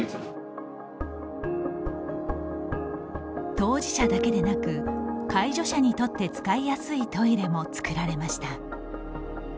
当事者だけでなく介助者にとって使いやすいトイレもつくられました。